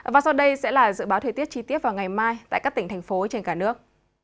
và sau đây sẽ là dự báo thời tiết chi tiết vào ngày mai tại các tỉnh thành phố trên cả nước